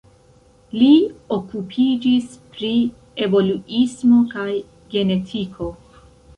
Li okupiĝis pri evoluismo kaj genetiko.